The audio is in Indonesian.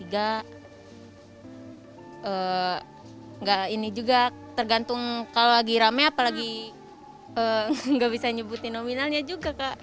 enggak ini juga tergantung kalau lagi rame apalagi nggak bisa nyebutin nominalnya juga kak